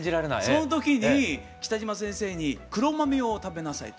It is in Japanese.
その時に北島先生に黒豆を食べなさいと。